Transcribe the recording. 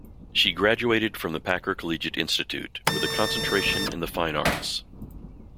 She graduated from the Packer Collegiate Institute with a concentration in the fine arts.